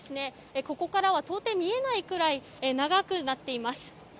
ここからは到底見えないくらい長くなっています。